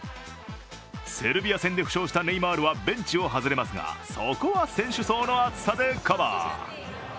セルビア戦で負傷したネイマールはベンチを外れますが、そこは選手層の厚さでカバー。